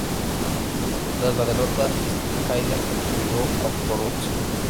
Tras la derrota, Švitrigaila huyó a Pólotsk.